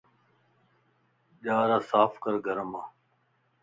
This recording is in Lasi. ڄار صاف ڪر گھرمان